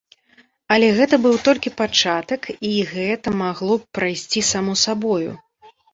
Але гэта быў толькі пачатак і гэта магло б прайсці само сабою.